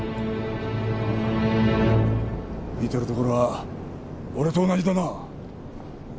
見てるところは俺と同じだな。